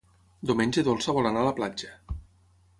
Diumenge na Dolça vol anar a la platja.